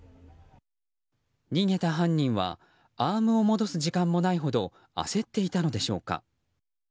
逃げた犯人はアームを戻す時間もないほど焦っていたのでしょうか。